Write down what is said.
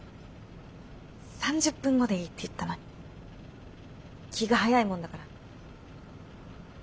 ３０分後でいいって言ったのに気が早いもんだから。